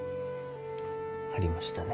ありましたね。